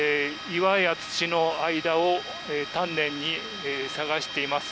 岩や土の間を丹念に捜しています。